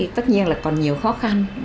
tất nhiên là còn nhiều khó khăn